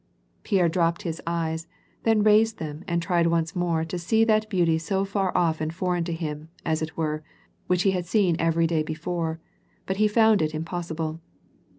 Pierre dropped his eyes, then raised them and tried once more to see that beauty so far off and foreign to him, as it were, which he had seen every day before ; but he found it impossible.